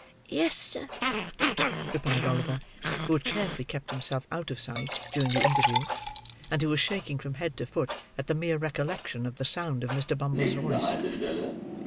"Yes, sir," replied Oliver, who had carefully kept himself out of sight, during the interview; and who was shaking from head to foot at the mere recollection of the sound of Mr. Bumble's voice.